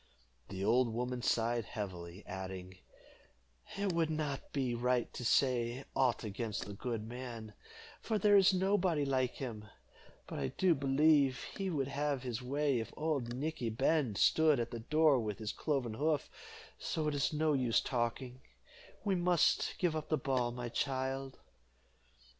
The old woman sighed heavily, adding, "It would not be right to say aught against the good man, for there is nobody like him; but I do believe he would have his way if old Nickey Bend stood at the door with his cloven hoof, so it is no use talking we must give up the ball, my child."